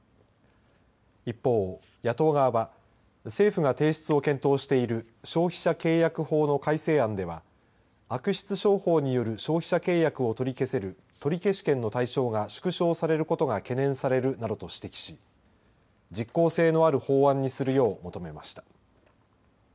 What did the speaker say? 一方、野党側は政府が提出を検討している消費者契約法の改正案では悪質商法による消費者契約を取り消せる取消権の対象が縮小されることが懸念されるなどと指摘し実効性のある法案にするよう求めました。